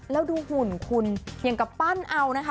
แล้วดูหุ่นคุณอย่างกับปั้นเอานะคะ